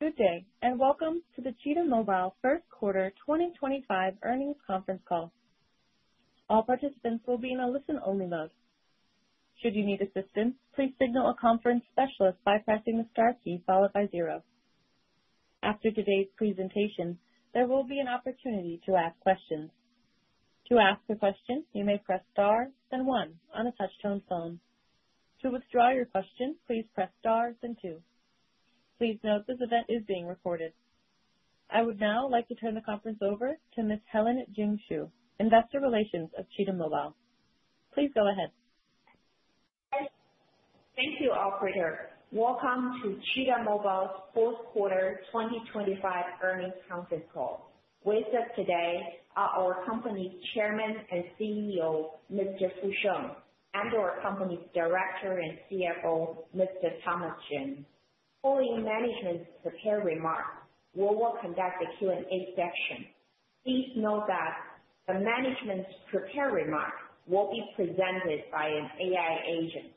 Good day and welcome to the Cheetah Mobile first quarter 2025 earnings conference call. All participants will be in a listen only mode. Should you need assistance, please signal a conference specialist by pressing the star key followed by zero. After today's presentation, there will be an opportunity to ask questions. To ask a question, you may press star then one on a touchtone phone. To withdraw your question, please press star then two. Please note this event is being recorded. I would now like to turn the conference over to Ms. Helen Jing Zhu, Investor Relations of Cheetah Mobile. Please go ahead. Thank you. Welcome to Cheetah Mobile's fourth quarter 2025 earnings conference call. With us today, our company Chairman and CEO Mr. Fu Sheng and our company's Director and CFO Mr. Thomas Jin. Following management's prepared remarks, we will conduct the Q&A section. Please note that the management's prepared remarks will be presented by an AI agent.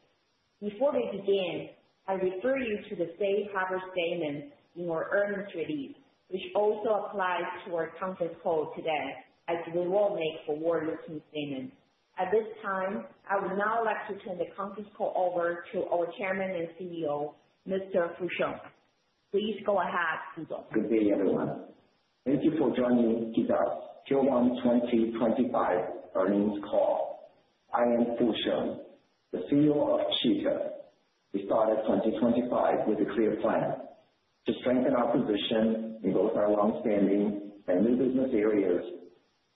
Before we begin, I refer you to the Safe Harbor statement in our earnings release which also applies to our conference call today and as we will make forward looking statements at this time, I would now like to turn the conference call over to our Chairman and CEO Mr. Fu Sheng. Please go ahead. Fu Sheng. Good day everyone. Thank you for joining Cheetah Mobile's Q1 2025 earnings call. I am Fu Sheng, the CEO of Cheetah Mobile. We started 2025 with a clear plan to strengthen our position in both our long standing and new business areas.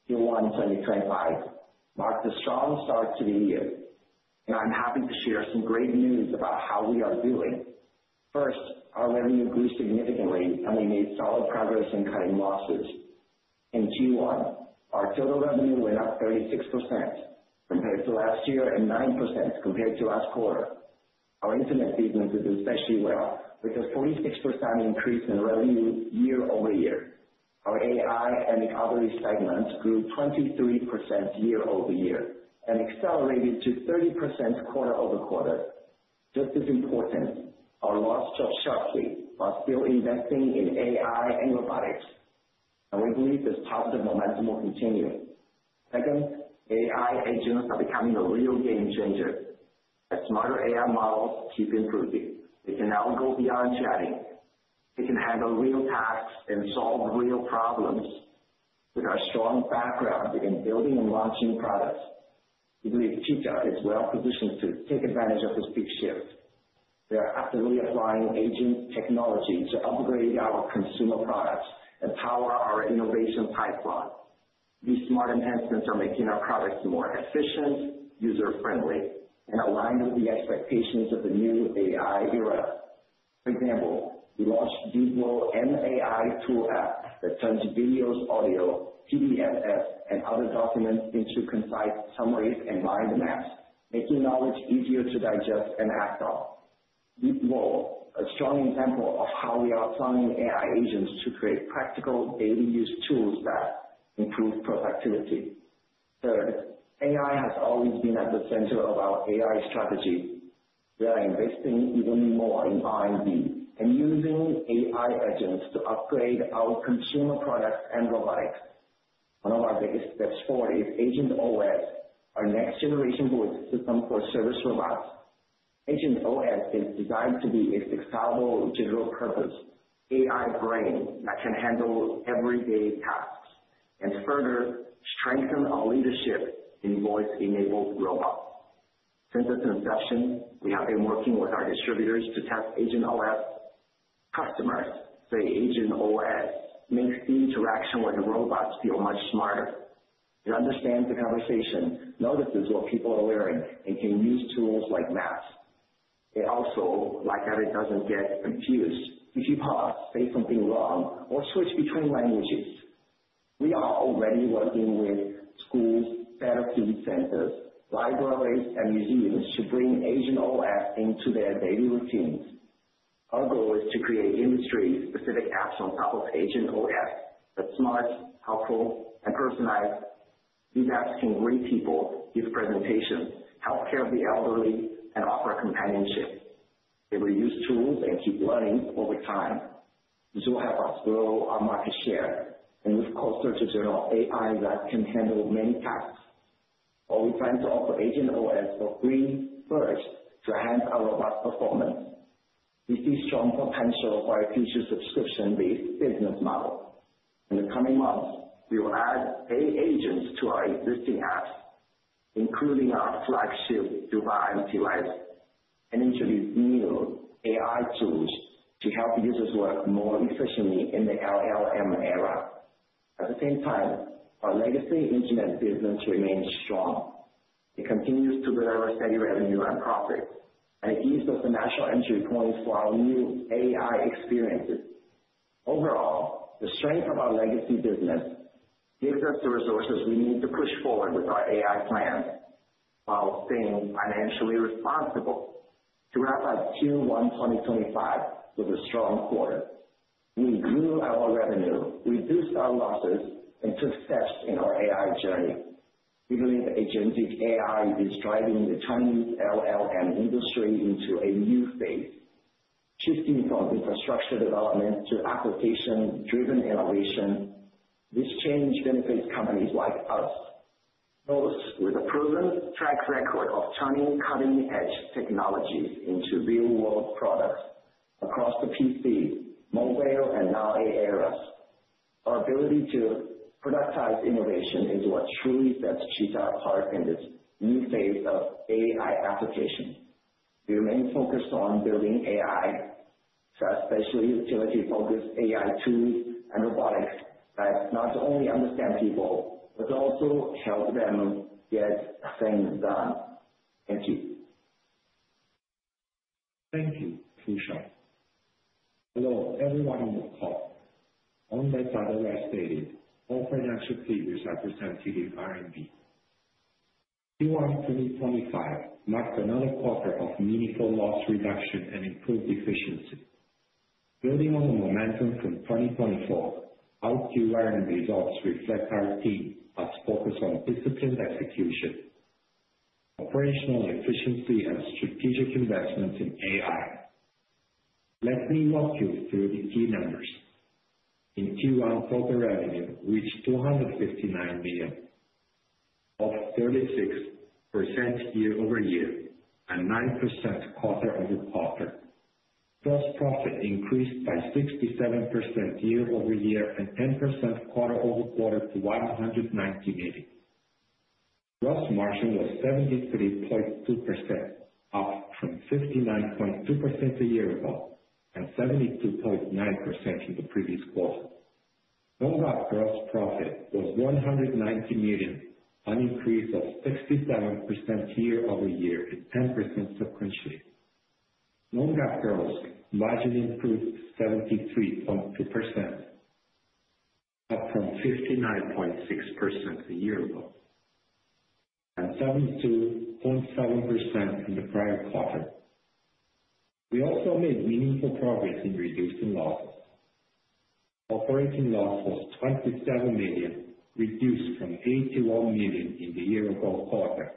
Q1 2025 marked a strong start to the year and I'm happy to share some great news about how we are doing. First, our revenue grew significantly and we made solid progress in cutting losses. In Q1, our total revenue went up 36% compared to last year and 9% compared to last quarter. Our internet business is especially well with a 46% increase in revenue year-over-year. Our AI and robotics segments grew 23% year-over-year and accelerated to 30% quarter-over-quarter. Just as important, our loss dropped sharply while still investing in AI and robotics and we believe this positive momentum will continue. Second, AI agents are becoming a real game changer. As smarter AI models keep improving, they can now go beyond chatting. We can handle real tasks and solve real problems. With our strong background in building and launching products, we believe Cheetah Mobile is well positioned to take advantage of this big shift. We are actively applying agent technology to upgrade our consumer products and power our innovation pipeline. These smart enhancements are making our products more efficient, user friendly, and aligned with the expectations of the new AI era. For example, we launched Deeworld, an AI tool app that turns videos, audio, PDF, and other documents into concise summaries and mind maps, making knowledge easier to digest and act on. Deepworld is a strong example of how we are applying AI agents to create practical daily use tools that improve productivity. Third, AI has always been at the center of our AI strategy. We are investing even more in R&D and using AI agents to upgrade our consumer products and robotics. One of our biggest steps forward is AgentOS, our next-generation voice system for service robots. AgentOS is designed to be a flexible digital purpose AI brain that can handle everyday tasks and further strengthen our leadership in voice-enabled robots. Since its inception we have been working with our distributors to test AgentOS. Customers say AgentOS makes the interaction with the robots feel much smarter. It understands the conversation, notices what people are wearing and can use tools like maps. It also like that it does not get confused if you pause, say something wrong or switch between languages. We are already working with schools, better food centers, libraries and museums to bring Agent OS into their daily routines. Our goal is to create industry specific apps on top of Agent OS that's smart, helpful and personalized. These apps can greet people, give presentations, help care of the elderly and offer companionship. They reuse tools and keep learning. Over time this will help us grow our market share and with core search engine of AI that can handle many tasks or we plan to offer Agent OS for free first to enhance our robust performance, we see strong potential for a future subscription based business model. In the coming months we will add AI agent to our existing apps including our flagship Dubai MT license and introduce new AI tools to help users work more efficiently in the LLM era. At the same time, our legacy internet business remains strong. It continues to deliver steady revenue and profit and it gives us financial entry points for our new AI experiences. Overall, the strength of our legacy business gives us the resources we need to push forward with our AI plans while staying financially responsible. To wrap up Q1 2025 with a strong quarter, we grew our revenue, reduced our losses and took steps in our AI journey. We believe agency AI is driving the Chinese LLM industry into a new phase, shifting from infrastructure development to application-driven innovation. This change benefits companies like us with a proven track record of turning cutting-edge technologies into real-world products across the PC, mobile and now AI eras. Our ability to productize innovation is what truly sets Cheetah apart. In this new phase of AI application, we remain focused on building AI special utility focused AI tools and robotics that not only understand people but also help them get things done. Thank you. Thank you. Fu Sheng, hello everyone on the call. On that title, I stated all financial figures are presented in RMB. Q1 2025 marked another quarter of meaningful loss reduction and improved efficiency, building on the momentum from 2024. Our results reflect our team's focus on disciplined execution, operational efficiency, and strategic investments in AI. Let me walk you through the key numbers. In Q1, corporate revenue reached 259 million, up 36% year-over-year and 9% quarter-over-quarter. Gross profit increased by 67% year-over-year and 10% quarter-over-quarter to 190 million. Gross margin was 73.2%, up from 59.2% a year ago and 72.9% in the previous quarter. Non-GAAP gross profit was RMB 190 million, an increase of 67% year-over-year and 10% sequentially. Non-GAAP gross margin improved to 73.2%, up from 59.6% a year ago and 72.7% in the prior quarter. We also made meaningful progress in reducing losses. Operating loss was 27 million, reduced from 81 million in the year-ago quarter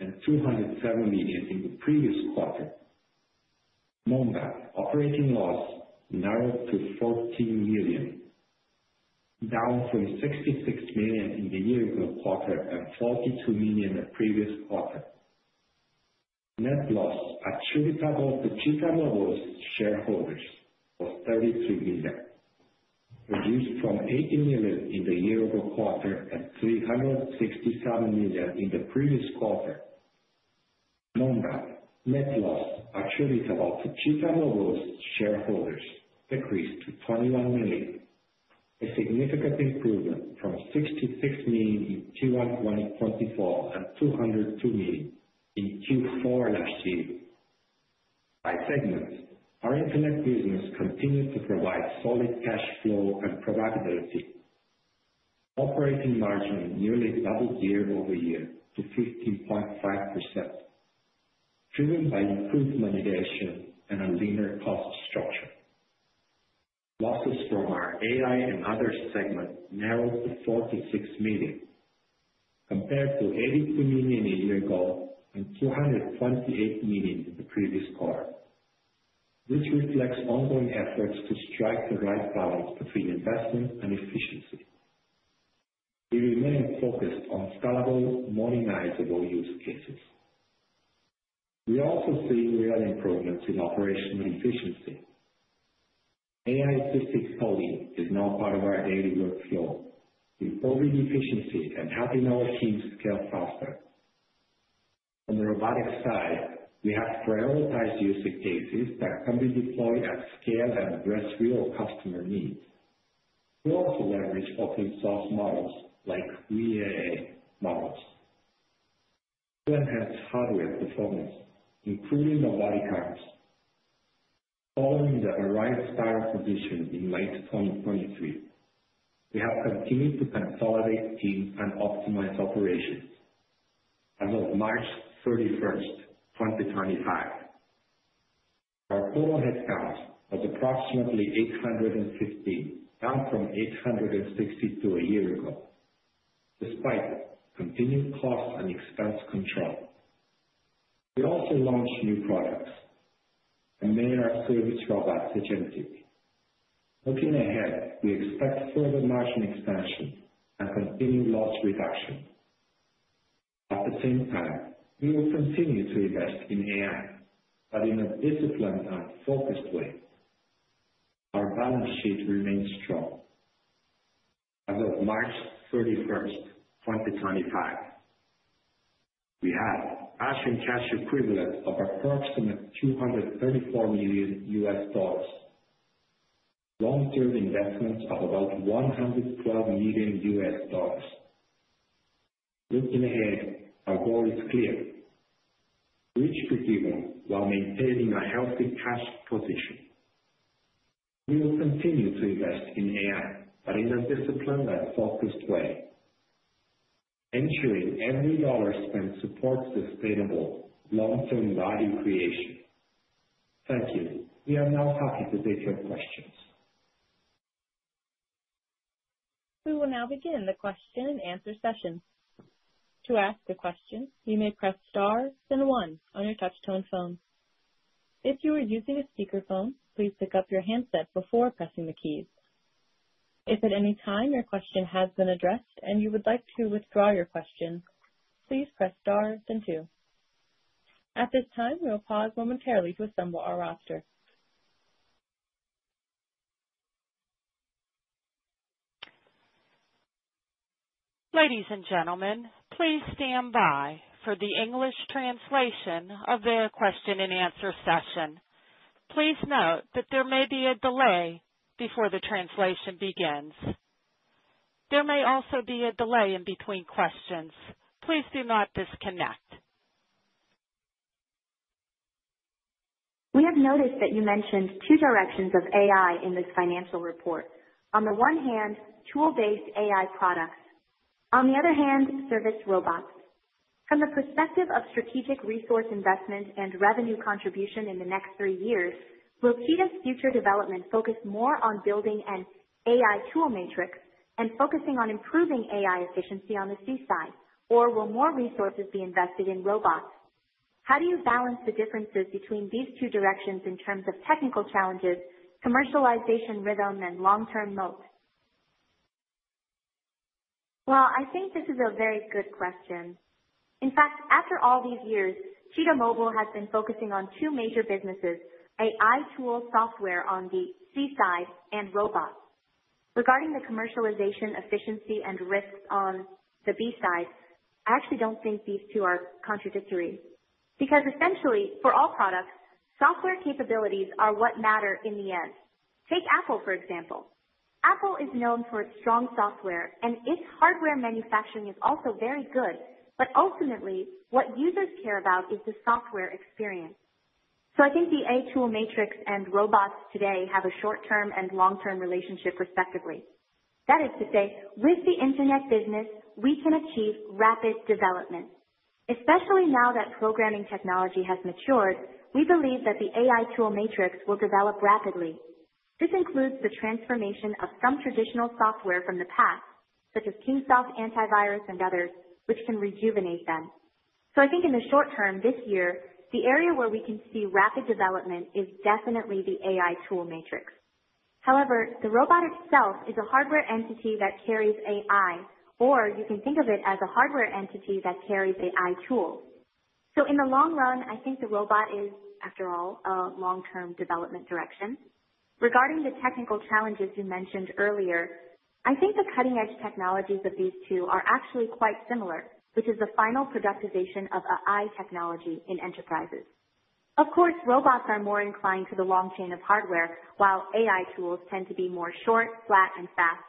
and 207 million in the previous quarter. Monban operating loss narrowed to 14 million, down from 66 million in the year-ago quarter and 42 million the previous quarter. Net loss attributable to Cheetah Mobile's shareholders was 33 million, reduced from 80 million in the year-ago quarter and 367 million in the previous quarter. Non-GAAP net loss attributable to Cheetah Mobile's shareholders decreased to 21 million, a significant improvement from 66 million in Q1 2024 and 202 million in Q4 last year. By segment, our internet business continued to provide solid cash flow and profitability. Operating margin nearly doubled year-over-year to 15.5% driven by improved validation and a leaner cost structure. Losses from our AI and others segment narrowed to 46 million compared to 82 million a year ago and 228 million in the previous quarter. This reflects ongoing efforts to strike the right balance between investment and efficiency. We remain focused on scalable, modernizable use cases. We are also seeing real improvements in operational efficiency. AI-assisted Poly is now part of our daily workflow, improving efficiency and helping our teams scale faster. On the robotics side, we have prioritized use cases that can be deployed at scale and address real customer needs. We also leverage open source models like VLM models to enhance hardware performance including mobile carts. Following the arrived style condition in late 2023, we have continued to consolidate teams and optimize operations. As of March 31, 2025, our total headcount was approximately 815, down from 862 a year ago. Despite continued costs and expense control, we also launched new products and made our service robot agentic. Looking ahead, we expect further margin expansion and continued loss reduction. At the same time, we will continue to invest in AI, but in a disciplined and focused way. Our balance sheet remains strong. As of March 31, 2025, we have cash and cash equivalents of approximately $234 million. Long term investments of about $112 million. Looking ahead, our goal is clear reach to Givon while maintaining a healthy cash position. We will continue to invest in AI but in a disciplined and focused way, ensuring every dollar spent supports sustainable long term value creation. Thank you, we are now happy to take your questions. We will now begin the Question and Answer session. To ask a question, you may press star then one on your touchtone phone. If you are using a speakerphone, please pick up your handset before pressing the keys. If at any time your question has been addressed and you would like to withdraw your question, please press star and two. At this time we will pause momentarily to assemble our roster. Ladies and gentlemen, please stand by for the English translation of the question and answer session. Please note that there may be a delay before the translation begins. There may also be a delay in between questions. Please do not disconnect. We have noticed that you mentioned two directions of AI in this financial report. On the one hand, tool-based AI products, on the other hand, service robots. From the perspective of strategic resource investment and revenue contribution in the next three years, will Cheetah's future development focus more on building an AI tool matrix and focusing on improving AI efficiency on the C side? Or will more resources be invested in robots? How do you balance the differences between these two directions in terms of technical challenges, commercialization rhythm, and long-term moat? I think this is a very good question. In fact, after all these years, Cheetah Mobile has been focusing on two major businesses, AI tool software on the C side and robots. Regarding the commercialization efficiency and risks on the B side, I actually do not think these two are contradictory because essentially for all products, software capabilities are what matter in the end. Take Apple for example. Apple is known for its strong software and its hardware manufacturing is also very good. Ultimately what users care about is the software experience. I think the AI tool matrix and robots today have a short term and long term relationship respectively. That is to say with the internet business, we can achieve rapid development, especially now that programming technology has matured. We believe that the AI tool matrix will develop rapidly. This includes the transformation of some traditional software from the past, such as Kingsoft Antivirus and others, which can rejuvenate them. I think in the short term this year, the area where we can see rapid development is definitely the AI tool matrix. However, the robot itself is a hardware entity that carries AI, or you can think of it as a hardware entity that carries AI tools. In the long run, I think the robot is after all a long term development direction. Regarding the technical challenges you mentioned earlier, I think the cutting edge technologies of these two are actually quite similar, which is the final productization of AI technology. In enterprises, of course, robots are more inclined to the long chain of hardware, while AI tools tend to be more short, flat and fast.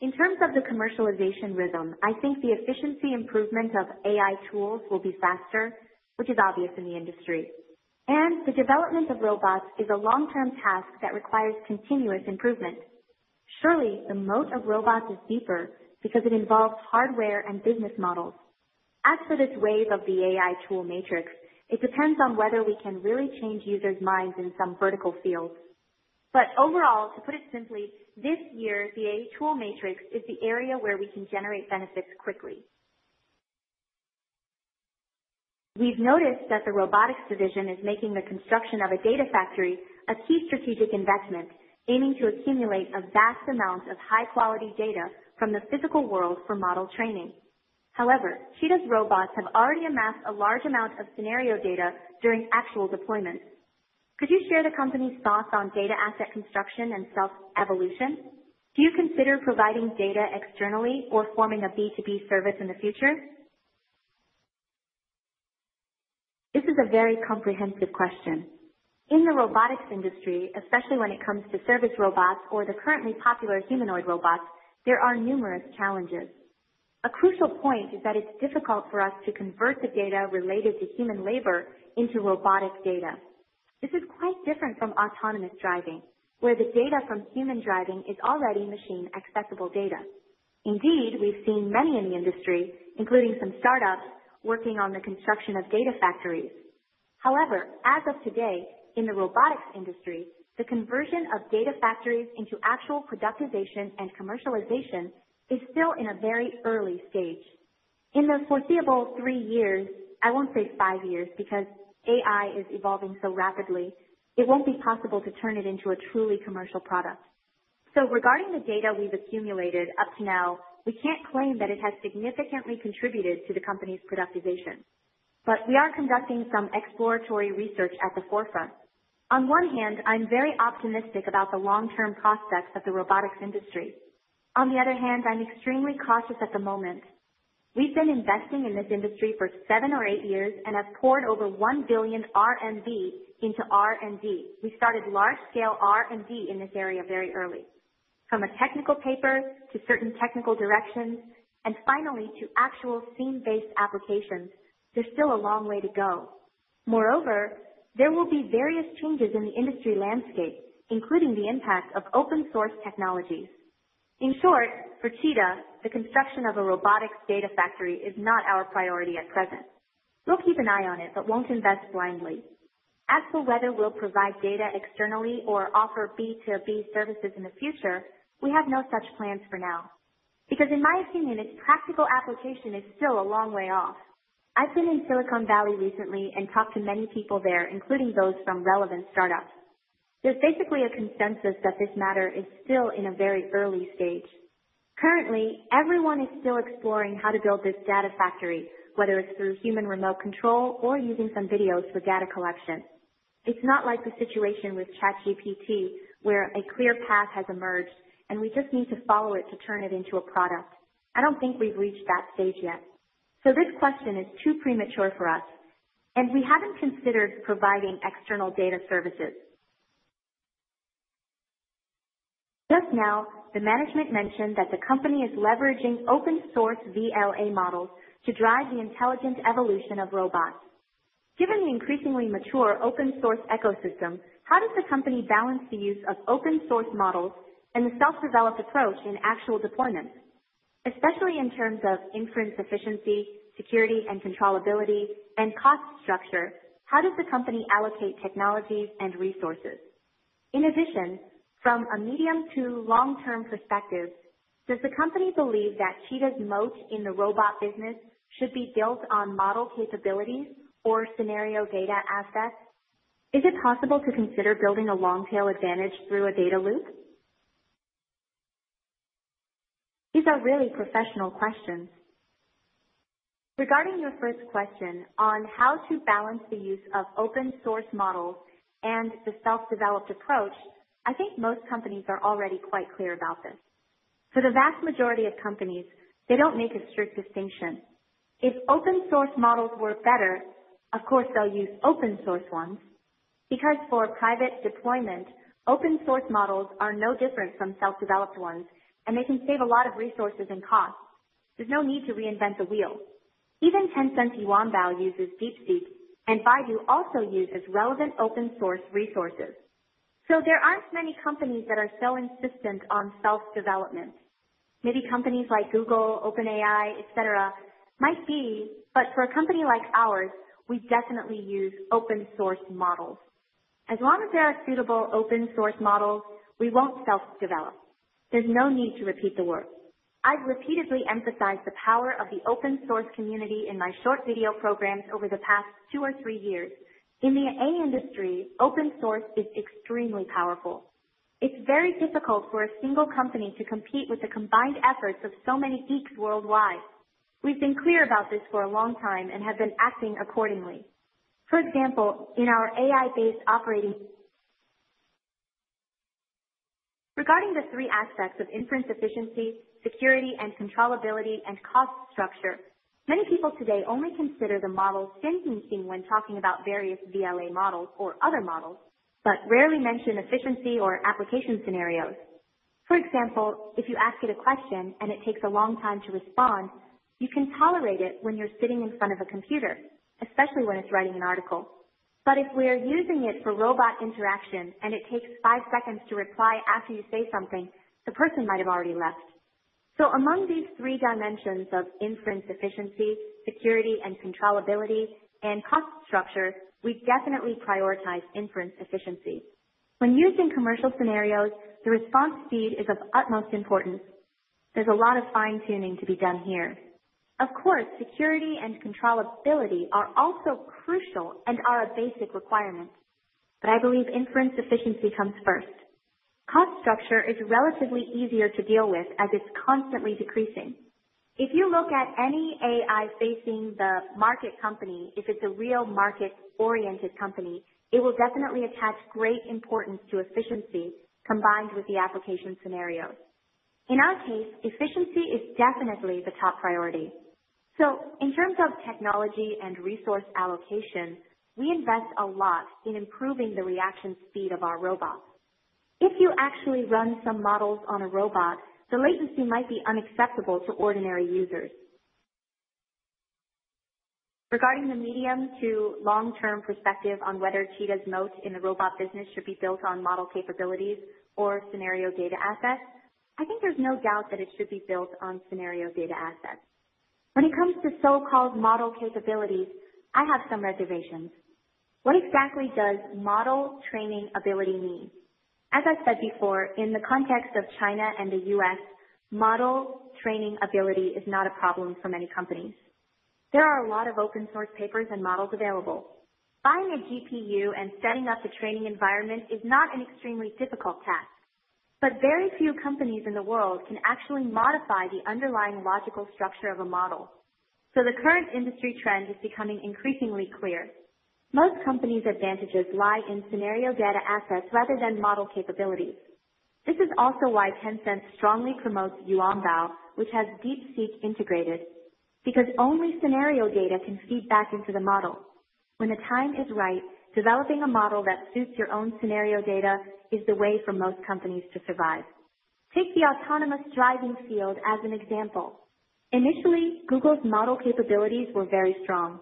In terms of the commercialization rhythm, I think the efficiency improvement of AI tools will be faster, which is obvious in the industry. The development of robots is a long term task that requires continuous improvement. Surely the moat of robots is deeper because it involves hardware and business models. As for this wave of the AI tool matrix, it depends on whether we can really change users' minds in some vertical field. Overall, to put it simply, this year, the AI tool matrix is the area where we can generate benefits quickly. We've noticed that the robotics division is making the construction of a data factory a key strategic investment, aiming to accumulate a vast amount of high quality data from the physical world for model training. However, Cheetah Mobile's robots have already amassed a large amount of scenario data during actual deployment. Could you share the company's thoughts on data asset construction and self evolution? Do you consider providing data externally or forming a B2B service in the future? This is a very comprehensive question in the robotics industry, especially when it comes to service robots or the currently popular humanoid robots, there are numerous challenges. A crucial point is that it's difficult for us to convert the data related to human labor into robotic data. This is quite different from autonomous driving, where the data from human driving is already machine accessible data. Indeed, we've seen many in the industry, including some startups working on the construction of data factories. However, as of today in the robotics industry, the conversion of data factories into actual productization and commercialization is still in a very early stage. In the foreseeable three years, I won't say five years, because AI is evolving so rapidly, it won't be possible to turn it into a truly commercial product. Regarding the data we've accumulated up to now. We can't claim that it has significantly contributed to the company's productization, but we are conducting some exploratory research at the forefront. On one hand, I'm very optimistic about the long-term prospects of the robotics industry. On the other hand, I'm extremely cautious at the moment. We've been investing in this industry for seven or eight years and have poured over 1 billion RMB into R&D. We started large-scale R&D in this area very early. From a technical paper to certain technical directions and finally to actual scene-based applications, there's still a long way to go. Moreover, there will be various changes in the industry landscape, including the impact of open source technologies. In short, for Cheetah, the construction of a robotics data factory is not our priority at present. We'll keep an eye on it, but won't invest blindly. As for whether we'll provide data externally or offer B2B services in the future, we have no such plans for now because in my opinion, its practical application is still a long way off. I've been in Silicon Valley recently and talked to many people there, including those from relevant startups. There's basically a consensus that this matter is still in a very early stage. Currently, everyone is still exploring how to build this data factory with whether it's through human remote control or using some videos for data collection. It's not like the situation with ChatGPT where a clear path has emerged and we just need to follow it to turn it into a product. I don't think we've reached that stage yet, so this question is too premature for us and we haven't considered providing external data services. Just now the management mentioned that the company is leveraging open source VLM models to drive the intelligent evolution of robots. Given the increasingly mature open source ecosystem, how does the company balance the use of open source models and the self-developed approach in actual deployment? Especially in terms of inference efficiency, security and controllability, and cost structure? How does the company allocate technologies and resources? In addition, from a medium to long term perspective, does the company believe that Cheetah's moat in the robot business should be built on model capabilities or scenario data assets? Is it possible to consider building a long tail advantage through a data loop? These are really professional questions. Regarding your first question on how to balance the use of open source models and the self-developed approach, I think most companies are already quite clear about this. For the vast majority of companies, they don't make a strict distinction. If open source models work better, of course they'll use open source ones because for private deployment, open source models are no different from self-developed ones and they can save a lot of resources and costs. There's no need to reinvent the wheel. Even Tencent's Yuanbao uses DeepSeek, and Baidu also uses relevant open source resources. There aren't many companies that are so insistent on self-development. Maybe companies like Google, OpenAI, et cetera might be. For a company like ours, we definitely use open source models. As long as there are suitable open source models, we won't self-develop. There's no need to repeat the word. I've repeatedly emphasized the power of the open source community in my short video programs over the past two or three years. In the AI industry, open source is extremely powerful. It's very difficult for a single company to compete with the combined efforts of so many geeks worldwide. We've been clear about this for a long time and have been acting accordingly. For example, in our AI-based operating system. Regarding the three aspects of inference efficiency, security and controllability, and cost structure. Many people today only consider the model when talking about various VLM models or other models, but rarely mention efficiency or application scenarios. For example, if you ask it a question and it takes a long time to respond, you can tolerate it when you're sitting in front of a computer, especially when it's writing an article. If we are using it for robot interaction and it takes five seconds to reply after you say something, the person might have already left. Among these three dimensions of inference efficiency, security and controllability, and cost structure, we definitely prioritize inference efficiency. When used in commercial scenarios, the response speed is of utmost importance. There is a lot of fine tuning to be done here. Of course, security and controllability are also crucial and are a basic requirement, but I believe inference efficiency comes first. Cost structure is relatively easier to deal with as it is constantly decreasing. If you look at any AI facing the market company, if it is a real market oriented company, it will definitely attach great importance to efficiency combined with the application scenarios. In our case, efficiency is definitely the top priority. In terms of technology and resource allocation, we invest a lot in improving the reaction speed of our robots. If you actually run some models on a robot, the latency might be unacceptable to ordinary users. Regarding the medium to long term perspective on whether Cheetah's moat in the robot business should be built on model capabilities or scenario data assets, I think there's no doubt that it should be built on scenario data assets. When it comes to so called model capabilities, I have some reservations. What exactly does model training ability mean? As I said before, in the context of China and the U.S., model training ability is not a problem for many companies. There are a lot of open source papers and models available. Buying a GPU and setting up the training environment is not an extremely difficult task. Very few companies in the world can actually modify the underlying logical structure of a model. The current industry trend is becoming increasingly clear. Most companies' advantages lie in scenario data assets rather than model capabilities. This is also why Tencent strongly promotes Yuanbao, which has DeepSeek integrated. Because only scenario data can feed back into the model when the time is right. Developing a model that suits your own scenario data is the way for most companies to survive. Take the autonomous driving field as an example. Initially Google's model capabilities were very strong.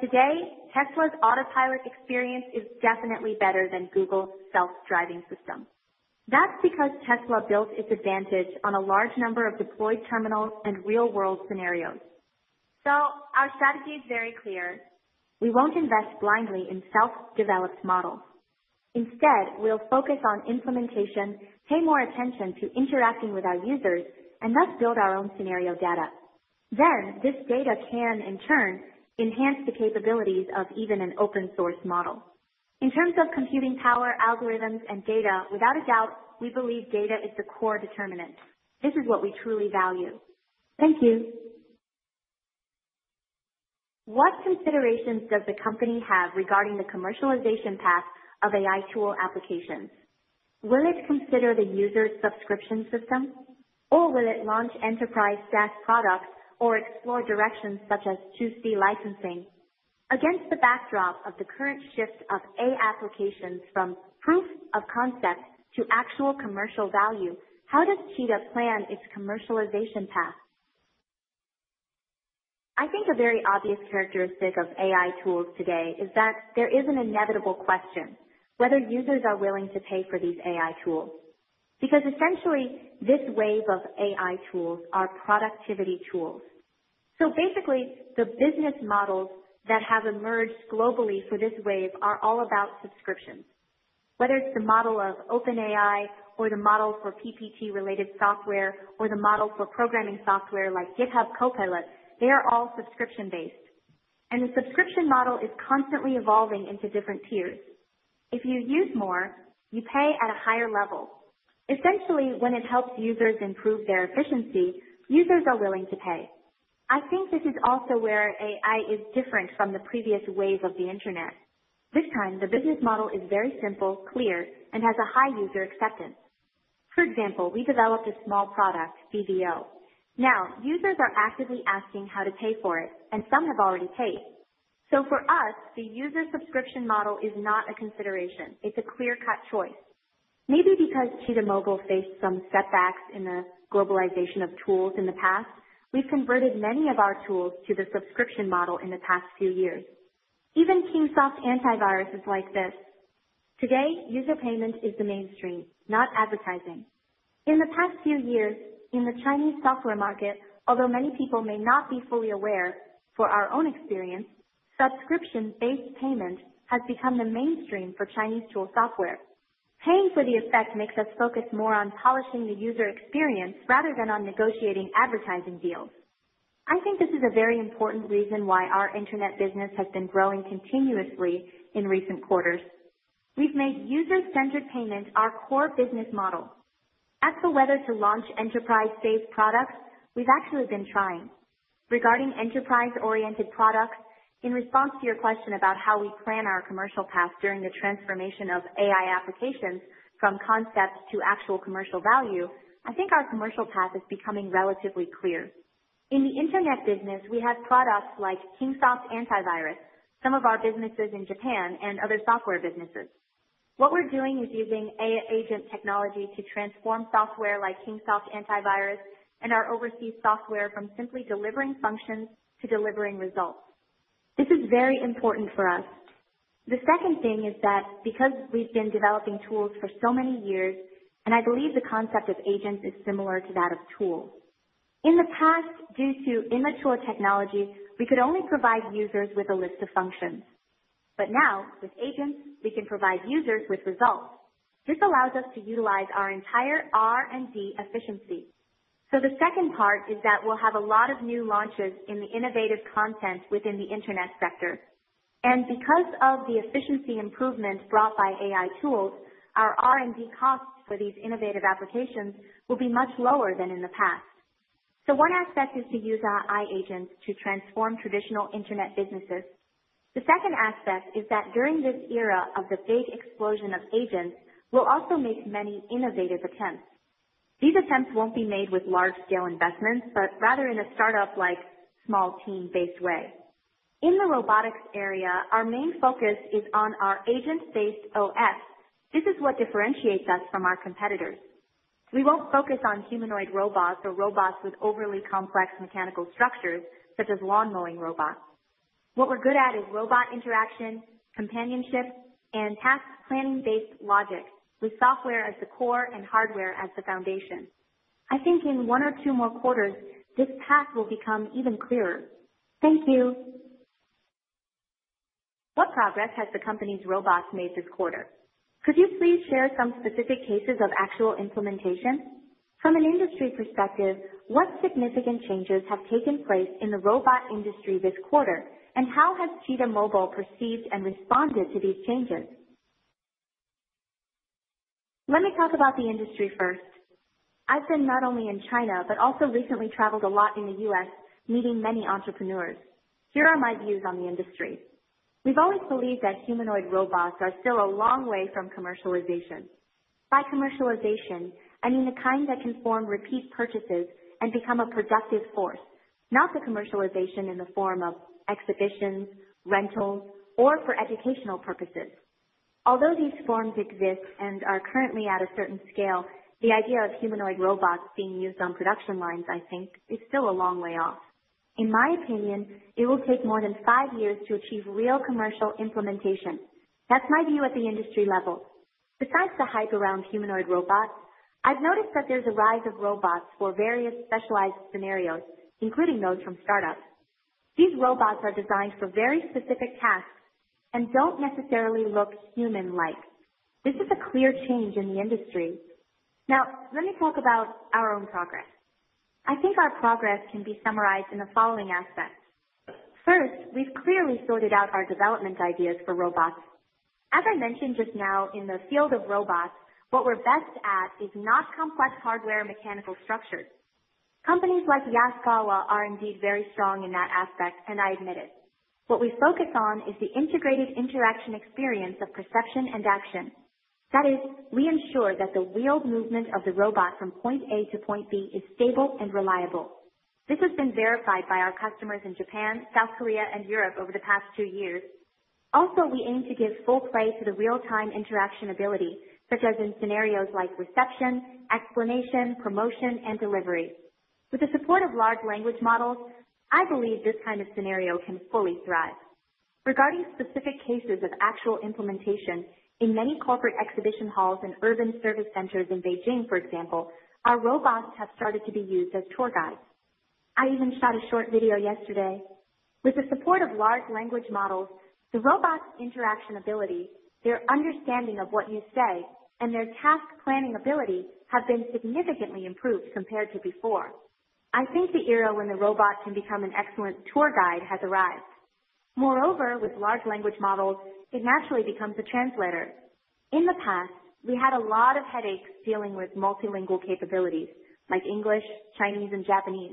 Today Tesla's autopilot experience is definitely better than Google's self driving system. That's because Tesla built its advantage on a large number of deployed terminals and real world scenarios. Our strategy is very clear. We won't invest blindly in self developed models. Instead we'll focus on implementation, pay more attention to interacting with our users and thus build our own scenario data. This data can in turn enhance the capabilities of even an open source model in terms of computing power, algorithms and data. Without a doubt we believe data is the core determinant. This is what we truly value. Thank you. What considerations does the company have regarding the commercialization path of AI tool applications? Will it consider the user subscription system or will it launch enterprise SaaS products or explore directions such as 2C licensing against the backdrop of the current shift of AI applications from proof of concept to actual commercial value? How does Cheetah plan its commercialization path? I think a very obvious characteristic of AI tools today is that there is an inevitable question whether users are willing to pay for these AI tools. Because essentially this wave of AI tools are productivity tools. Basically the business models that have emerged globally for this wave are all about subscriptions. Whether it's the model of OpenAI or the model for PPT related software, or the model for programming software like GitHub Copilot, they are all subscription based and the subscription model is constantly evolving into different tiers. If you use more, you pay at a higher level. Essentially when it helps users improve their efficiency, users are willing to pay. I think this is also where AI is different from the previous wave of the Internet. This time the business model is very simple, clear and has a high user acceptance. For example, we developed a small product, bvo. Now users are actively asking how to pay for it and some have already paid. For us, the user subscription model is not a consideration. It's a clear cut choice. Maybe because Cheetah Mobile faced some setbacks in the globalization of tools in the past, we've converted many of our tools to the subscription model in the past few years. Even Kingsoft Antivirus is like this. Today. User payment is the mainstream, not advertising in the past few years in the Chinese software market. Although many people may not be fully aware. For our own experience, subscription based payment has become the mainstream for Chinese tool software. Paying for the effect makes us focus more on polishing the user experience rather than on negotiating advertising deals. I think this is a very important reason why our internet business has been growing continuously. In recent quarters, we've made user centered payment our core business model. As for whether to launch enterprise based products, we've actually been trying. Regarding enterprise oriented products, in response to your question about how we plan our commercial path during the transformation of AI applications from concepts to actual commercial value, I think our commercial path is becoming relatively clear. In the Internet business, we have products like Kingsoft Antivirus, some of our businesses in Japan and other software businesses. What we're doing is using agent technology to transform software like Kingsoft Antivirus and our overseas software from simply delivering functions to delivering results. This is very important for us. The second thing is that because we've been developing tools for so many years and I believe the concept of agents is similar to that of tool. In the past, due to immature technology, we could only provide users with a list of functions. But now with agents we can provide users with results. This allows us to utilize our entire R&D efficiency. The second part is that we'll have a lot of new launches in the innovative content within the Internet sector. Because of the efficiency improvement brought by AI tools, our R&D costs for these innovative applications will be much lower than in the past. One aspect is to use our AI agents to transform traditional internet businesses. The second aspect is that during this era of the big explosion of agents, we'll also make many innovative attempts. These attempts won't be made with large-scale investments, but rather in a startup-like, small team-based way. In the robotics area, our main focus is on our agent-based OS. This is what differentiates us from our competitors. We won't focus on humanoid robots or robots with overly complex mechanical structures such as lawn mowing robots. What we're good at is robot interaction, companionship, and task planning-based logic, with software as the core and hardware as the foundation. I think in one or two more quarters this path will become even clearer. Thank you. What progress has the company's robots made this quarter? Could you please share some specific cases of actual implementation from an industry perspective? What significant changes have taken place in the robot industry this quarter and how has Cheetah Mobile perceived and responded to these changes? Let me talk about the industry first. I've been not only in China, but also recently traveled a lot in the U.S. meeting many entrepreneurs. Here are my views on the industry. We've always believed that humanoid robots are still a long way from commercialization. By commercialization I mean the kind that can form repeat purchases and become a productive force, not the commercialization in the form of exhibitions, rentals or for educational purposes. Although these forms exist and are currently at a certain scale, the idea of humanoid robots being used on production lines I think is still a long way off. In my opinion, it will take more than five years to achieve real commercial implementation. That's my view at the industry level. Besides the hype around humanoid robots, I've noticed that there's a rise of robots for various specialized scenarios, including those from startups. These robots are designed for very specific tasks and don't necessarily look human like. This is a clear change in the industry. Now let me talk about our own progress. I think our progress can be summarized in the following aspects. First, we've clearly sorted out our development ideas for robots. As I mentioned just now, in the field of robots, what we're best at is not complex hardware mechanical structures. Companies like Yaskawa are indeed very strong in that aspect. I admit it, what we focus on is the integrated interaction experience of perception and action. That is, we ensure that the wheeled movement of the robot from point A to point B is stable. This has been verified by our customers in Japan, South Korea, and Europe over the past two years. Also, we aim to give full play to the real time interaction ability such as in scenarios like reception, explanation, promotion, and delivery. With the support of large language models, I believe this kind of scenario can fully thrive. Regarding specific cases of actual implementation, in many corporate exhibition halls and urban service centers. In Beijing, for example, our robots have started to be used as tour guides. I even shot a short video yesterday. With the support of large language models, the robots' interaction ability, their understanding of what you say, and their task planning ability have been significantly improved compared to before. I think the era when the robot can become an excellent tour guide has arrived. Moreover, with large language models, it naturally becomes a translator. In the past, we had a lot of headaches dealing with multilingual capabilities like English, Chinese, and Japanese.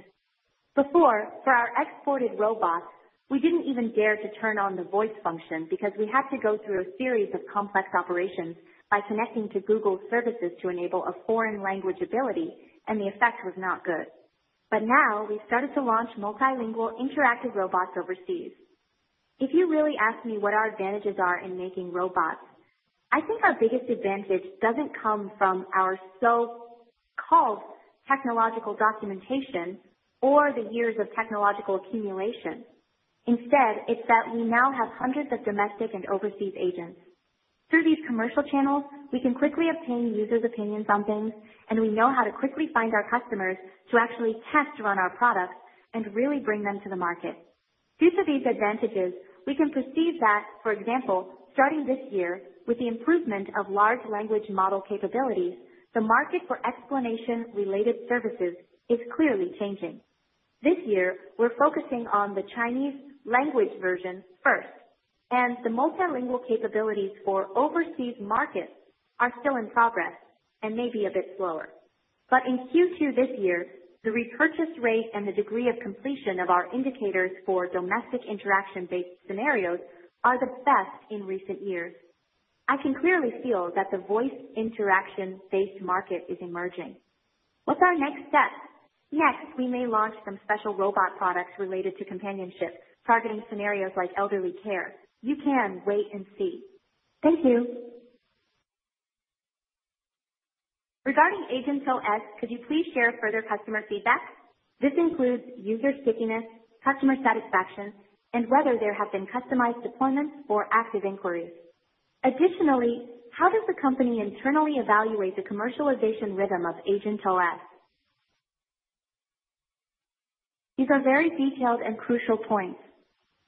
Before, for our exported robots, we did not even dare to turn on the voice function because we had to go through a series of complex operations by connecting to Google services to enable a foreign language ability and the effect was not good. Now we have started to launch multilingual interactive robots overseas. If you really ask me what our advantages are in making robots, I think our biggest advantage does not come from our so-called technological documentation or the years of technological accumulation. Instead, it is that we now have hundreds of domestic and overseas agents. Through these commercial channels we can quickly obtain users' opinions on things and we know how to quickly find our customers to actually test run our products and really bring them to the market. Due to these advantages, we can perceive that for example, starting this year with the improvement of large language model capabilities, the market for explanation-related services is clearly changing. This year we are focusing on the Chinese language version first and the multilingual capabilities for overseas markets are still in progress and may be a bit slower. In Q2 this year, the repurchase rate and the degree of completion of our indicators for domestic interaction based scenarios are the best in recent years. I can clearly feel that the voice interaction based market is emerging. What's our next step? Next, we may launch some special robot products related to companionship targeting scenarios like elderly care. You can wait and see. Thank you. Regarding AgentOS, could you please share further customer feedback? This includes user stickiness, customer satisfaction, and whether there have been customized deployments or active inquiries. Additionally, how does the company internally evaluate the commercialization rhythm of AgentOS? These are very detailed and crucial points.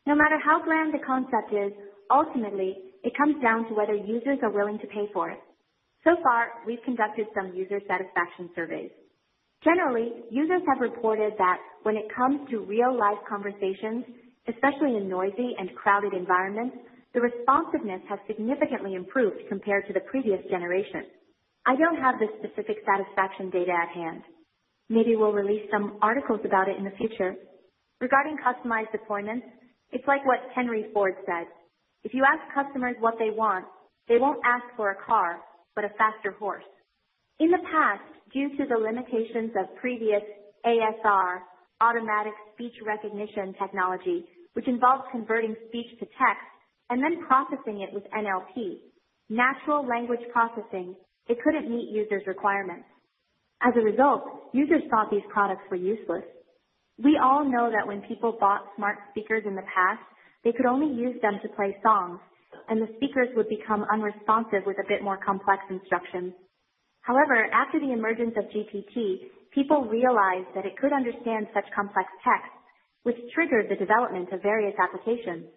No matter how grand the concept is. Ultimately it comes down to whether users are willing to pay for it. So far we've conducted some user satisfaction surveys. Generally, users have reported that when it comes to real life conversations, especially in noisy and crowded environments, the responsiveness has significantly improved compared to the previous generation. I don't have the specific satisfaction data at hand. Maybe we'll release some articles about it in the future. Regarding customized deployments. It's like what Henry Ford said, if you ask customers what they want, they won't ask for a car, but a faster horse. In the past, due to the limitations of previous ASR automatic speech recognition technology which involved converting speech to text and then processing it, with NLP natural language processing, it couldn't meet users' requirements. As a result, users thought these products were useless. We all know that when people bought smart speakers in the past, they could only use them to play songs and the speakers would become unresponsive with a bit more complex instructions. However, after the emergence of GPT, people realized that it could understand such complex texts, which triggered the development of various applications.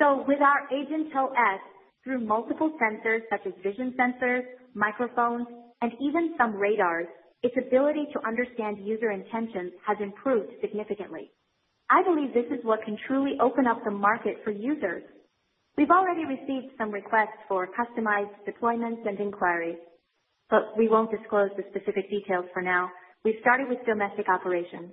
With our AgentOS, through multiple sensors such as vision sensors, microphones, and even some radars, its ability to understand user intentions has improved significantly. I believe this is what can truly open up the market for users. We've already received some requests for customized deployments and inquiries, but we won't disclose the specific details for now. We started with domestic operations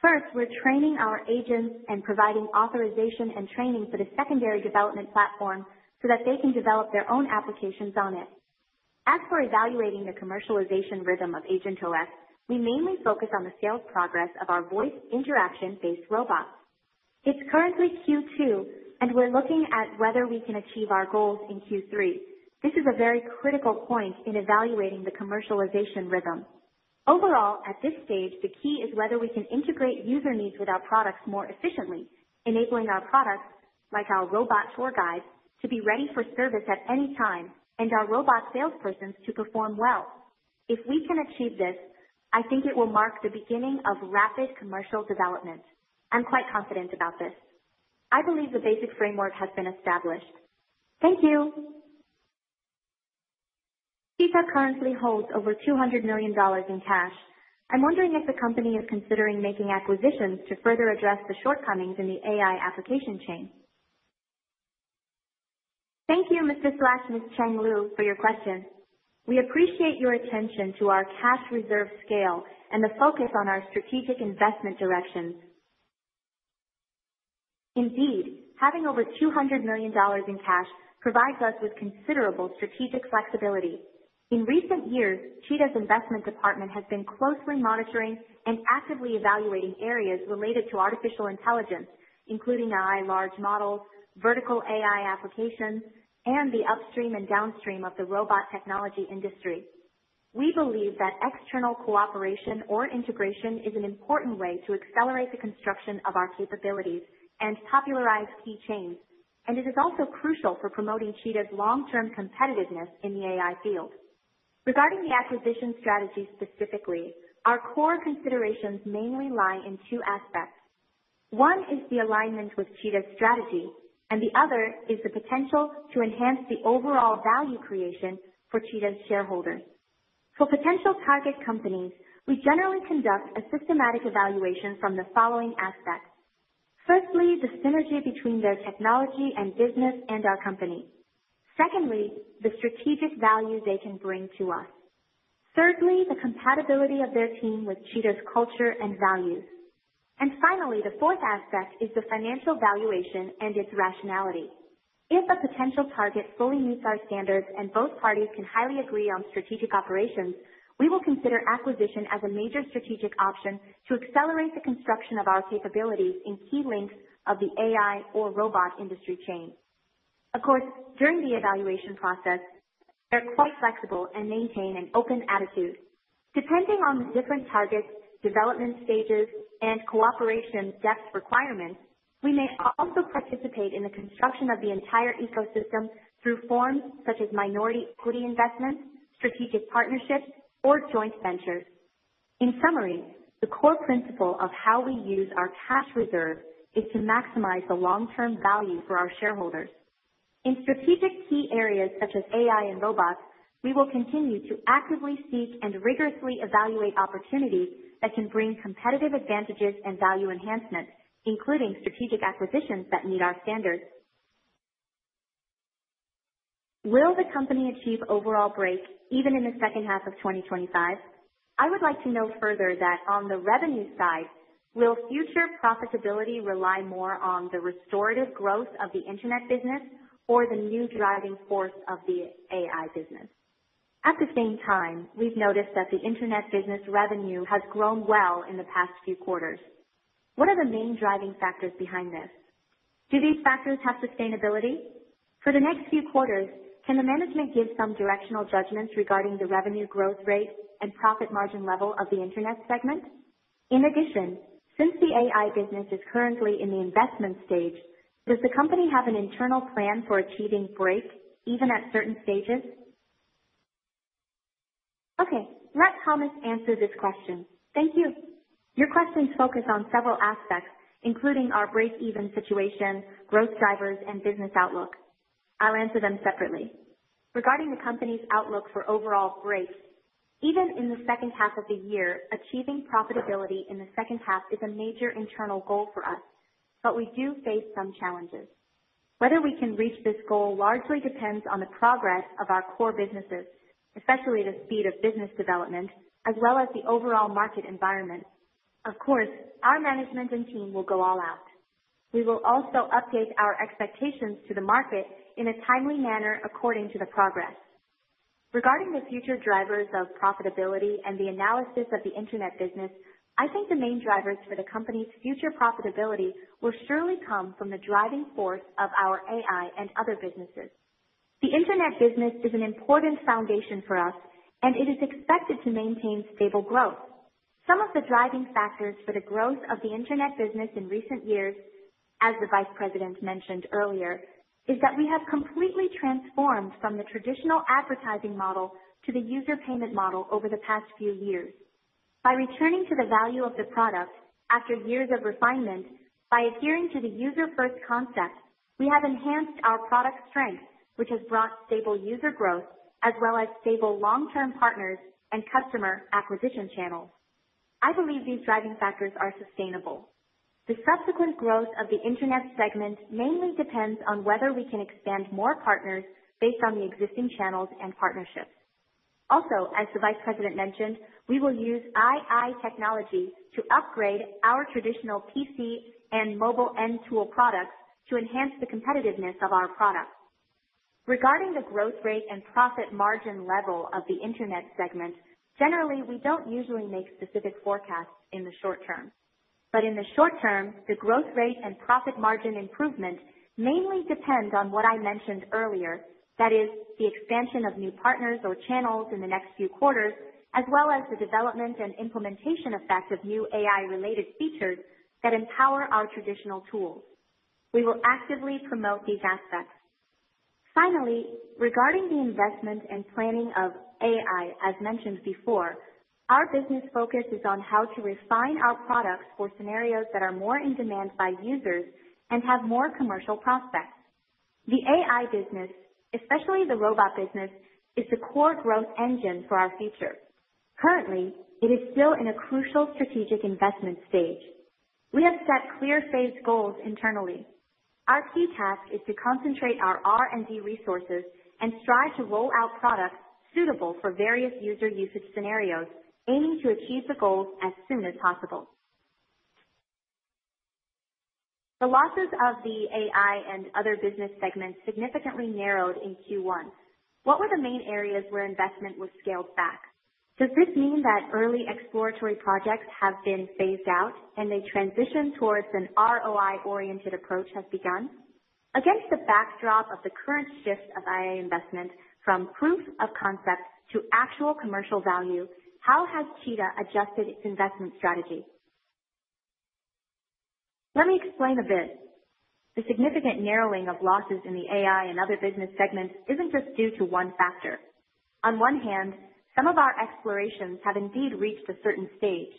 first. We're training our agents and providing authorization and training for the secondary development platform so that they can develop their own applications on it. As for evaluating the commercialization rhythm of AgentOS, we mainly focus on the sales progress of our voice interaction based robots. It's currently Q2 and we're looking at whether we can achieve our goals in Q3. This is a very critical point in evaluating the commercialization rhythm overall at this stage. The key is whether we can integrate user needs with our products more efficiently, enabling our products, like our robot tour guide, to be ready for service at any time and our robot salespersons to perform well. If we can achieve this, I think it will mark the beginning of rapid commercial development. I'm quite confident about this. I believe the basic framework has been established. Thank you. Cheetah currently holds over $200 million in cash. I'm wondering if the company is considering making acquisitions to further address the shortcomings in the AI application. Thank you, Mr. Fu Sheng, Ms. Cheng Lu, for your question. We appreciate your attention to our cash reserve scale and the focus on our strategic investment directions. Indeed, having over $200 million in cash provides us with considerable strategic flexibility. In recent years, Cheetah's investment department has been closely monitoring and actively evaluating areas related to artificial intelligence, including AI large models, vertical AI applications, and the upstream and downstream of the robot technology industry. We believe that external cooperation or integration is an important way to accelerate the construction of our capabilities and popularize keychains. It is also crucial for promoting Cheetah's long term competitiveness in the AI field. Regarding the acquisition strategy specifically, our core considerations mainly lie in two aspects. One is the alignment with Cheetah Mobile's strategy and the other is the potential to enhance the overall value creation for Cheetah's shareholders. For potential target companies, we generally conduct a systematic evaluation from the following aspects. Firstly, the synergy between their technology and business and our company. Secondly, the strategic value they can bring to us. Thirdly, the compatibility of their team with Cheetah's culture and values. Finally, the fourth aspect is the financial valuation and its rationality. If a potential target fully meets our standards and both parties can highly agree on strategic operations, we will consider acquisition as a major strategic option to accelerate the construction of our capabilities in key links of the AI or robot industry chain. Of course, during the evaluation process, they're quite flexible and maintain an open attitude depending on different targets, development stages, and cooperation depth requirements. We may also participate in the construction of the entire ecosystem through forms such as minority equity investments, strategic partnerships, or joint ventures. In summary, the core principle of how we use our cash reserve is to maximize the long-term value for our shareholders in strategic key areas such as AI and robots. We will continue to actively seek and rigorously evaluate opportunities that can bring competitive advantages and value enhancements, including strategic acquisitions that meet our standards. Will the company achieve overall break even in the second half of 2025? I would like to note further that on the revenue side, will future profitability rely more on the restorative growth of the internet business or the new driving force of the AI business? At the same time, we've noticed that the Internet business revenue has grown well in the past few quarters. What are the main driving factors behind this? Do these factors have sustainability for the next few quarters? Can the management give some directional judgments regarding the revenue growth rate and profit margin level of the Internet segment? In addition, since the AI business is currently in the investment stage, does the company have an internal plan for achieving break even at certain stages? Okay, let Thomas answer this question. Thank you. Your questions focus on several aspects including our break even situation, growth drivers and business outlook. I'll answer them separately regarding the company's outlook for overall break even in the second half of the year. Achieving profitability in the second half is a major internal goal for us, but we do face some challenges. Whether we can reach this goal largely depends on the progress of our core businesses, especially the speed of business development as well as the overall market environment. Of course, our management and team will go all out. We will also update our expectations to the market in a timely manner according to the progress regarding the future drivers of profitability and the analysis of the internet business. I think the main drivers for the company's future profitability will surely come from the driving force of our AI and other businesses. The Internet business is an important foundation for us and it is expected to maintain stable growth. Some of the driving factors for the growth of the Internet business in recent years, as the Vice President mentioned earlier, is that we have completely transformed from the traditional advertising model to the user payment model over the past few years by returning to the value of the product after years of refinement. By adhering to the user first concept, we have enhanced our product strength, which has brought stable user growth as well as stable long-term partners and customer acquisition channels. I believe these driving factors are sustainable. The subsequent growth of the Internet segment mainly depends on whether we can expand more partners based on the existing channels and partnerships. Also, as the Vice President mentioned, we will use AI technology to upgrade our traditional PC and mobile end tool products to enhance the competitiveness of our products. Regarding the growth rate and profit margin level of the Internet segment generally, we do not usually make specific forecasts in the short term, but in the short term the growth rate and profit margin improvement mainly depend on what I mentioned earlier, that is the expansion of new partners or channels in the next few quarters, as well as the development and implementation effect of new AI related features that empower our traditional tools. We will actively promote these aspects. Finally, regarding the investment and planning of AI, as mentioned before, our business focus is on how to refine our products for scenarios that are more in demand by users and have more commercial prospects. The AI business, especially the robot business, is the core growth engine for our future. Currently, it is still in a crucial strategic investment stage. We have set clear phase goals internally. Our key task is to concentrate our R&D resources and strive to roll out products suitable for various user usage scenarios, aiming to achieve the goals as soon as possible. The losses of the AI and other business segments significantly narrowed in Q1. What were the main areas where investment was scaled back? Does this mean that early exploratory projects have been phased out and the transition towards an ROI-oriented approach has begun against the backdrop of the current shift of AI investment from proof of concept to actual commercial value? How has Cheetah adjusted its investment strategy? Let me explain a bit. The significant narrowing of losses in the AI and other business segments isn't just due to one factor. On one hand, some of our explorations have indeed reached a certain stage.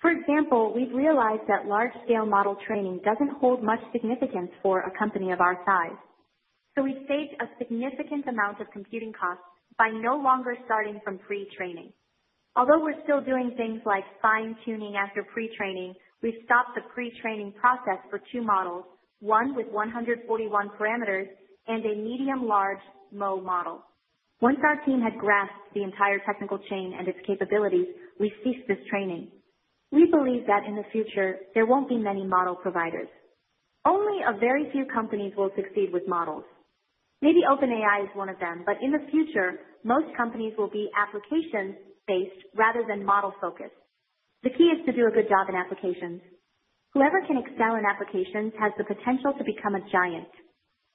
For example, we've realized that large scale model training doesn't hold much significance for a company of our size. So we staged a significant amount of computing costs by no longer starting from pre-training. Although we're still doing things like fine-tuning after pre-training, we've stopped the pre-training process for two models, one with 141 parameters and a medium large mo model. Once our team had grasped the entire technical chain and its capabilities, we ceased this training. We believe that in the future there won't be many model providers. Only a very few companies will succeed with models. Maybe OpenAI is one of them, but in the future most companies will be application based rather than model focused. The key is to do a good job in applications. Whoever can excel in applications has the potential to become a giant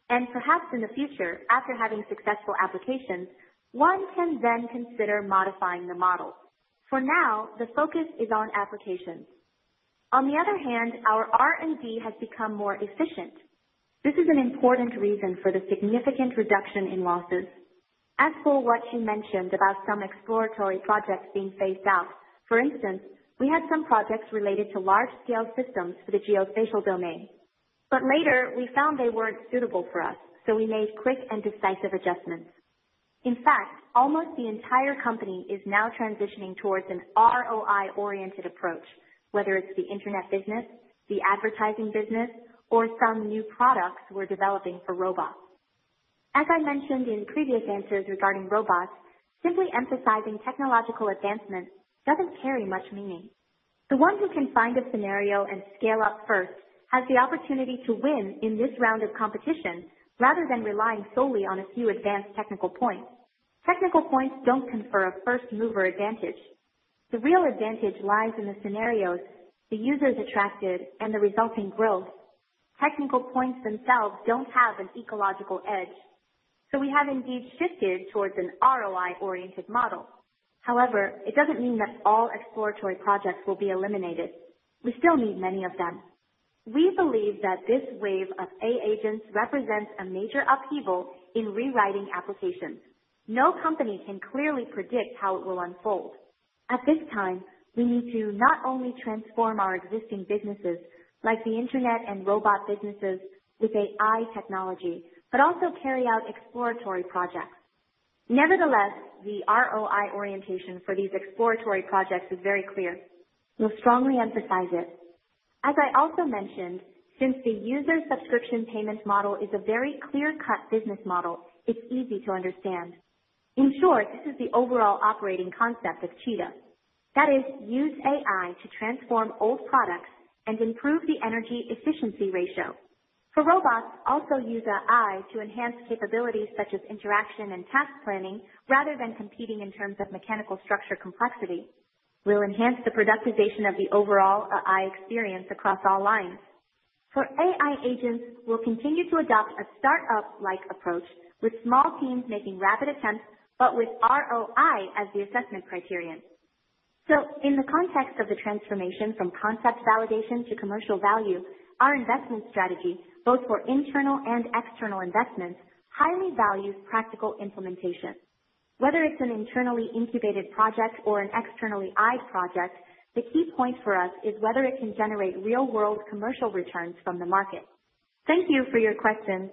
and perhaps in the future, after having successful applications, one can then consider modifying the model. For now the focus is on applications. On the other hand, our R&D has become more efficient. This is an important reason for the significant reduction in losses. As for what she mentioned about some exploratory projects being phased out, for instance, we had some projects related to large-scale systems for the geospatial domain, but later we found they were not suitable for us. So we made quick and decisive adjustments. In fact, almost the entire company is now transitioning towards an ROI-oriented approach. Whether it's the Internet business, the advertising business, or some new products we're developing for robots. As I mentioned in previous answers regarding robots, simply emphasizing technological advancement doesn't carry much meaning. The one who can find a scenario and scale up first has the opportunity to win in this round of competition rather than relying solely on a few advanced technical points. Technical points don't confer a first mover advantage. The real advantage lies in the scenarios the users attracted and the resulting growth. Technical points themselves don't have an ecological edge, so we have indeed shifted towards an ROI oriented model. However, it doesn't mean that all exploratory projects will be eliminated. We still need many of them. We believe that this wave of AI agents represents a major upheaval in rewriting applications. No company can clearly predict how it will unfold at this time. We need to not only transform our existing businesses like the Internet and robot businesses with AI technology, but also carry out exploratory projects. Nevertheless, the ROI orientation for these exploratory projects is very clear. We'll strongly emphasize it. As I also mentioned, since the user subscription payment model is a very clear-cut business model, it's easy to understand. In short, this is the overall operating concept of Cheetah, i.e. use AI to transform old products and improve the energy efficiency ratio for robots. Also use AI to enhance capabilities such as interaction and task planning. Rather than competing in terms of mechanical structure complexity, we'll enhance the productization of the overall AI experience across all lines. For AI agents, we'll continue to adopt a startup-like approach with small teams making rapid attempts, but with ROI as the assessment criterion. In the context of the transformation from concept validation to commercial value, our investment strategy, both for internal and external investments, highly values practical implementation. Whether it is an internally incubated project or an externally eyed project, the key point for us is whether it can generate real world commercial returns from the market. Thank you for your question.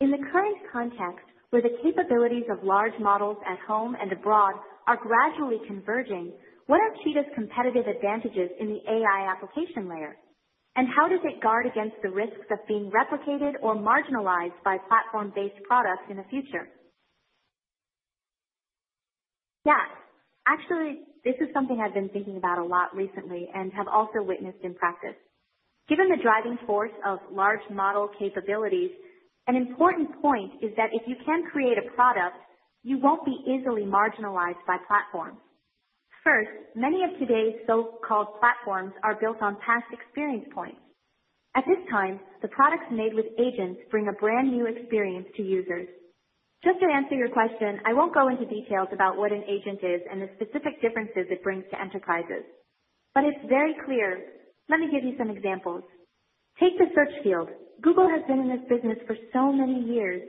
In the current context, where the capabilities of large models at home and abroad are gradually converging, what are Cheetah's competitive advantages in the AI application layer and how does it guard against the risks of being replicated or marginalized by platform based products in the future? Yes, actually this is something I have been thinking about a lot recently and have also witnessed in practice. Given the driving force of large model capabilities, an important point is that if you can create a product, you will not be easily marginalized by platforms. First, many of today's so-called platforms are built on past experience points. At this time, the products made with agents bring a brand new experience to users. Just to answer your question, I won't go into details about what an agent is and the specific differences it brings to enterprises, but it's very clear. Let me give you some examples. Take the search field. Google has been in this business for so many years.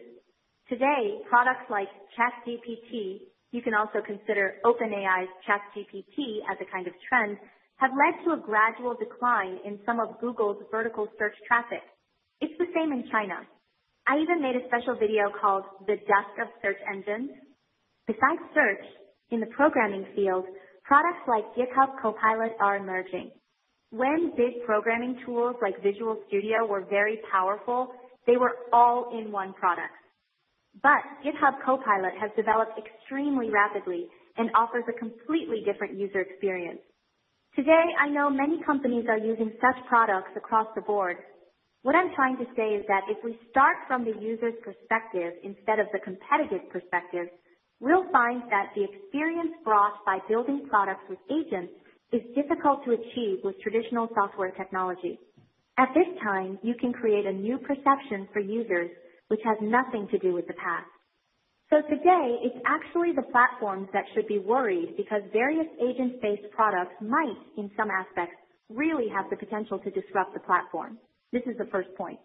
Today products like ChatGPT, you can also consider OpenAI's ChatGPT as a kind of trend, have led to a gradual decline in some of Google's vertical search traffic. It's the same in China. I even made a special video called the Dust of Search Engines. Besides search, in the programming field, products like GitHub Copilot are emerging. When big programming tools like Visual Studio were very powerful, they were all in one product. GitHub Copilot has developed extremely rapidly and offers a completely different user experience. Today. I know many companies are using such products across the board. What I'm trying to say is that if we start from the user's perspective instead of the competitive perspective, we'll find that the experience brought by building products with agents is difficult to achieve with traditional software technology at this time. You can create a new perception for users which has nothing to do with the past. Today it's actually the platforms that should be worried because various agent based products might in some aspects really have the potential to disrupt the platform. This is the first point.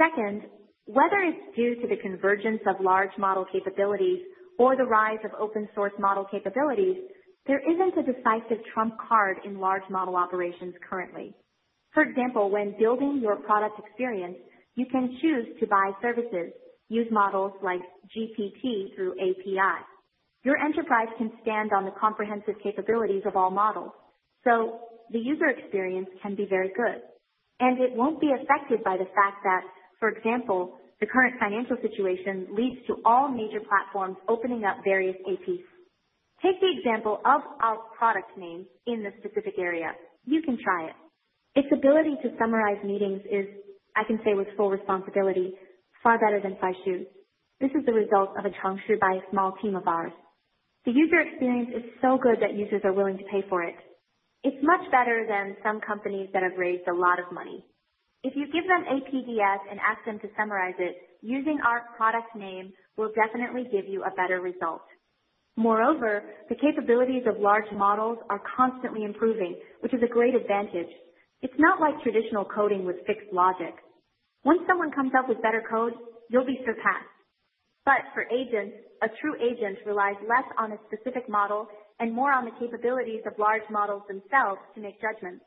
Second, whether it's due to the convergence of large model capabilities or the rise of open source model capabilities, there isn't a decisive trump card in large model operations currently. For example, when building your product experience, you can choose to buy services, use models like GPT through API. Your enterprise can stand on the comprehensive capabilities of all models. The user experience can be very good. It will not be affected by the fact that, for example, the current financial situation leads to all major platforms opening up various APIs. Take the example of our product name in this specific area. You can try it. Its ability to summarize meetings is, I can say with full responsibility, far better than Feishu. This is the result of a chongqi by a small team of ours. The user experience is so good that users are willing to pay for it. It is much better than some companies that have raised a lot of money. If you give them APIs and ask them to summarize it, using our product name will definitely give you a better result. Moreover, the capabilities of large models are constantly improving, which is a great advantage. It's not like traditional coding with fixed logic. Once someone comes up with better code, you'll be surpassed. For agents, a true agent relies less on a specific model and more on the capabilities of large models themselves to make judgments.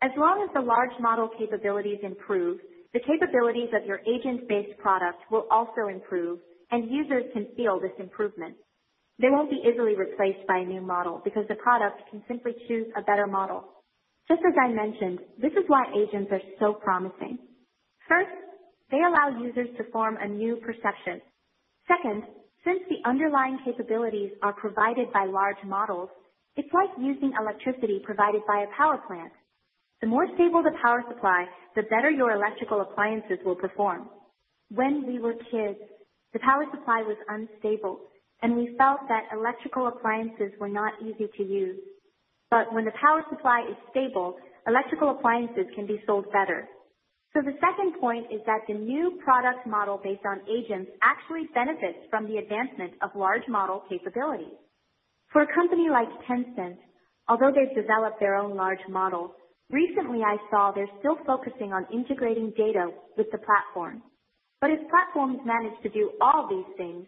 As long as the large model capabilities improve, the capabilities of your agent based product will also improve. Users can feel this improvement. They won't be easily replaced by a new model because the product can simply choose a better model. Just as I mentioned, this is why agents are so promising. First, they allow users to form a new perception. Second, since the underlying capabilities are provided by large models, it's like using electricity provided by a power plant. The more stable the power supply, the better your electrical appliances will perform. When we were kids, the power supply was unstable and we felt that electrical appliances were not easy to use. When the power supply is stable, electrical appliances can be sold better. The second point is that the new product model based on agents actually benefits from the advancement of large model capabilities. For a company like Tencent, although they've developed their own large model recently, I saw they're still focusing on integrating data with the platform. If platforms manage to do all these things,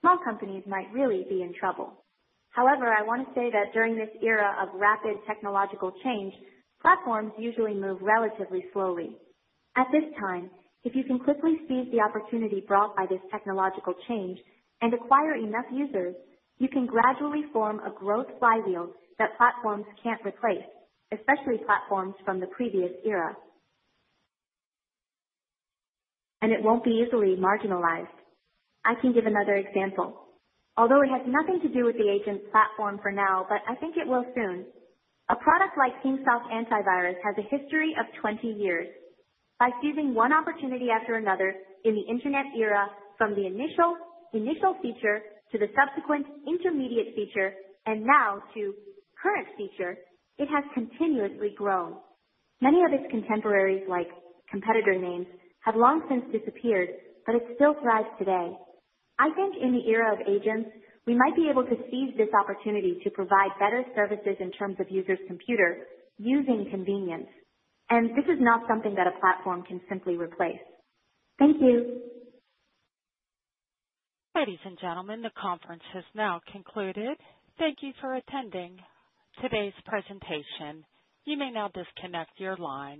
small companies might really be in trouble. However, I want to say that during this era of rapid technological change, platforms usually move relatively slowly. At this time, if you can quickly seize the opportunity brought by this technological change and acquire enough users, you can gradually form a growth flywheel that platforms can't replace, especially platforms from the previous era. It will not be easily marginalized. I can give another example, although it has nothing to do with the agent platform for now, but I think it will soon. A product like Kingsoft Antivirus has a history of 20 years. By seizing one opportunity after another in the Internet era, from the initial feature to the subsequent intermediate feature and now to current feature, it has continuously grown. Many of its contemporaries, like competitor names, have long since disappeared, but it still thrives today. I think in the era of agents we might be able to seize this opportunity to provide better services in terms of users' computer using convenience. This is not something that a platform can simply replace. Thank you. Ladies and gentlemen. The conference has now concluded. Thank you for attending today's presentation. You may now disconnect your lines.